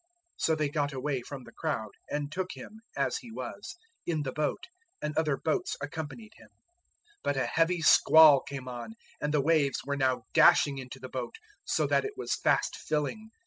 004:036 So they got away from the crowd, and took Him as He was in the boat; and other boats accompanied Him. 004:037 But a heavy squall came on, and the waves were now dashing into the boat, so that it was fast filling.